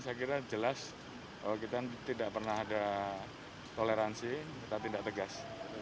saya kira jelas bahwa kita tidak pernah ada toleransi kita tindak tegas